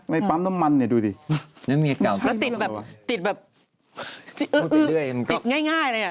ในปั๊มต้นมันเนี่ยดูสิแล้วติดแบบติดแบบเออติดง่ายเลย